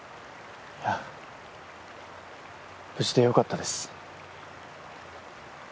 いや無事でよかったです。